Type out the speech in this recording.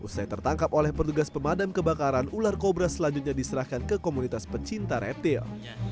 usai tertangkap oleh petugas pemadam kebakaran ular kobra selanjutnya diserahkan ke komunitas pecinta reptil